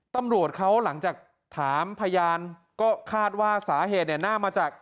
ตำรวจเขาหลังจากถามพยานก็คาดว่าสาเหตุเนี่ยน่ามาจาก